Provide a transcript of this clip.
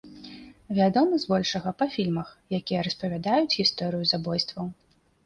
Вядомы, збольшага, па фільмах, якія распавядаюць гісторыю забойстваў.